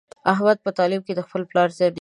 احمد په تعلیم کې د خپل پلار ځای نیولی دی.